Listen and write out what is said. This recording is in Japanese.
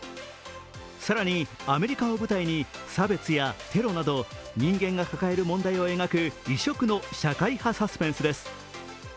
更に、アメリカを舞台に差別やテロなど人間が抱える問題を描く異色の社会派サスペンスです。